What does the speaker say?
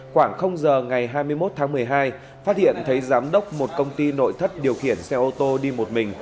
khoảng giờ ngày hai mươi một tháng một mươi hai phát hiện thấy giám đốc một công ty nội thất điều khiển xe ô tô đi một mình